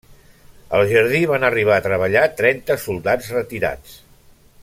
Al jardí van arribar a treballar trenta soldats retirats.